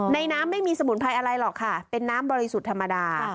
น้ำไม่มีสมุนไพรอะไรหรอกค่ะเป็นน้ำบริสุทธิ์ธรรมดา